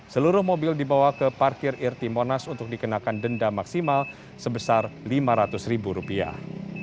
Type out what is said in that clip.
seluruh mobil dibawa ke parkir irti monas untuk dikenakan denda maksimal sebesar lima ratus ribu rupiah